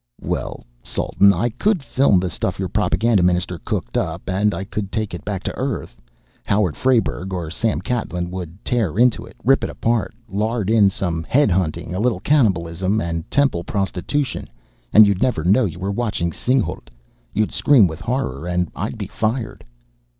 "Well, Sultan, I could film the stuff your Propaganda Minister cooked up, and I could take it back to Earth. Howard Frayberg or Sam Catlin would tear into it, rip it apart, lard in some head hunting, a little cannibalism and temple prostitution, and you'd never know you were watching Singhalût. You'd scream with horror, and I'd be fired."